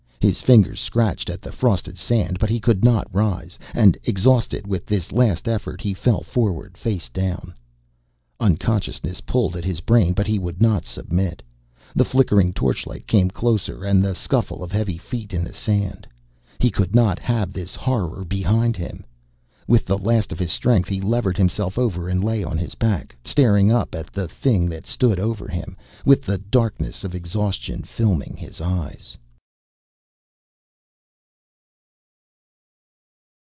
His fingers scratched at the frosted sand, but he could not rise, and exhausted with this last effort he fell forward face down. Unconsciousness pulled at his brain but he would not submit. The flickering torchlight came closer and the scuffle of heavy feet in the sand; he could not have this horror behind him. With the last of his strength he levered himself over and lay on his back, staring up at the thing that stood over him, with the darkness of exhaustion filming his eyes.